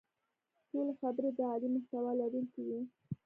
ټولې خبرې د عالي محتوا لرونکې وې.